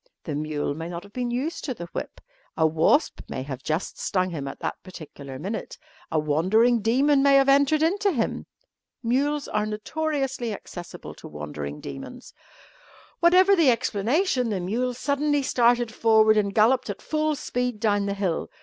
The mule may not have been used to the whip; a wasp may have just stung him at that particular minute; a wandering demon may have entered into him. Mules are notoriously accessible to wandering demons. Whatever the explanation, the mule suddenly started forward and galloped at full speed down the hill.